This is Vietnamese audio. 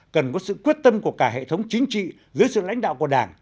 cần có sự quyết tâm của cả hệ thống chính trị dưới sự lãnh đạo của đảng